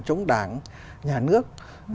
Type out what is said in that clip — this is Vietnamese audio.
chống đảng nhà nước